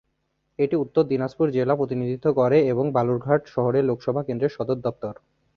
এটি উত্তর দিনাজপুর জেলা প্রতিনিধিত্ব করে এবং বালুরঘাট শহরে লোকসভা কেন্দ্রের সদর দফতর।